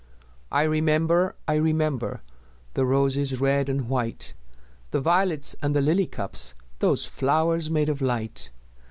I remember, I remember The roses red and white, The violets and the lily cups Those flowers made of light!